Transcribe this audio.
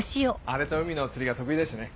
荒れた海の釣りが得意でしてね。